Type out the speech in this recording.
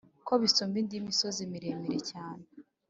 Ko bisumba indi misozi, miremire cyane